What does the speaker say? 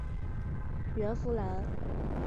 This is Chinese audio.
阮福澜。